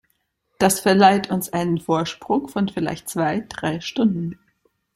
Das verleiht uns einen Vorsprung von vielleicht zwei, drei Stunden.